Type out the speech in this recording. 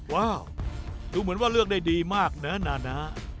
ว้าวดูเหมือนว่าเลือกได้ดีมากนะนานา